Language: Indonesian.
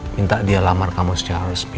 minta dia lamar kamu secara resmi